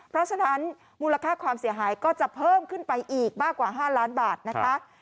เพราะฉะนั้นมูลค่าความเสียหายก็จะเพิ่มขึ้นไปอีกมากกว่า๕ล้านบาทนะคะ